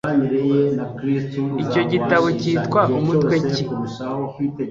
icyo gitabo cyitwa umutwe ki